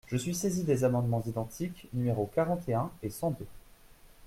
Je suis saisie des amendements identiques numéros quarante et un et cent deux.